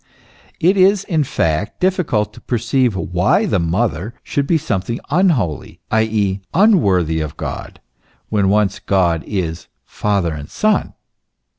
It is in fact difficult to perceive why the Mother should be something unholy, i. e., unworthy of God, when once God is Father and Son.